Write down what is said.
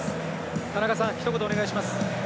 田中さん、ひと言お願いします。